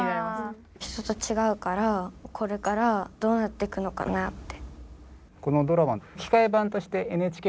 人とちがうからこれからどうなってくのかなって。